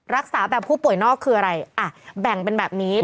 รักษาแบบผู้ป่วยนอกคืออะไรอ่ะแบ่งเป็นแบบนี้